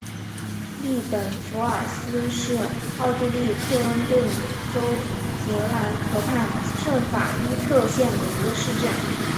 利本弗尔斯是奥地利克恩顿州格兰河畔圣法伊特县的一个市镇。